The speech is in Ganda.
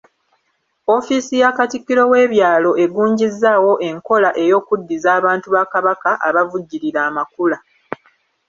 Ofiisi ya Katikkiro w’ebyalo egunjizzaawo enkola ey’okuddiza abantu ba Kabaka abavujjirira amakula.